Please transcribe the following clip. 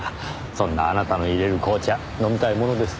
そんなあなたの淹れる紅茶飲みたいものです。